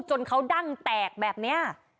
จนเขาดั้งแตกแบบนี้